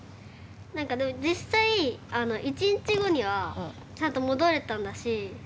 何かでも実際１日後にはちゃんと戻れたんだし。